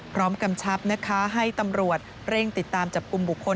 กำชับนะคะให้ตำรวจเร่งติดตามจับกลุ่มบุคคล